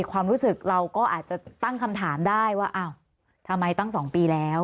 ความรู้สึกเราก็อาจจะตั้งคำถามได้ว่าอ้าวทำไมตั้ง๒ปีแล้ว